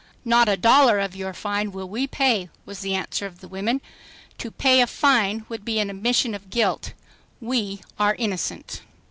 "Not a dollar of your fine will we pay," was the answer of the women. "To pay a fine would be an admission of guilt. We are innocent."